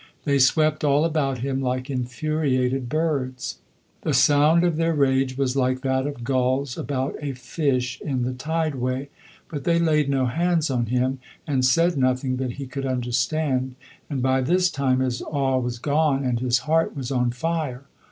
They swept all about him like infuriated birds. The sound of their rage was like that of gulls about a fish in the tide way; but they laid no hands on him, and said nothing that he could understand, and by this time his awe was gone, and his heart was on fire.